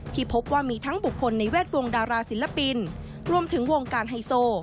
พบว่ามีทั้งบุคคลในแวดวงดาราศิลปินรวมถึงวงการไฮโซ